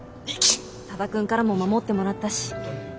多田くんからも守ってもらったし。